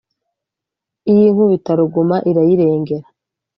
Iy’Inkubitaruguma irayirengera :